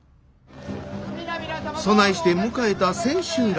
そないして迎えた千秋楽。